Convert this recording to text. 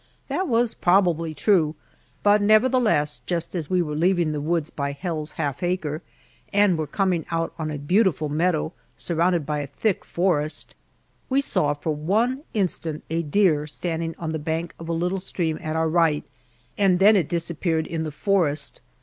That was probably true, but nevertheless, just as we were leaving the woods by "Hell's Half Acre," and were coming out on a beautiful meadow surrounded by a thick forest, we saw for one instant a deer standing on the bank of a little stream at our right, and then it disappeared in the forest.